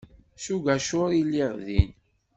S ugacur i lliɣ din.